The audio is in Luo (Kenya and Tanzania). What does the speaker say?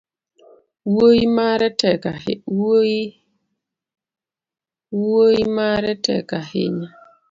Wuoi mare tek ahinya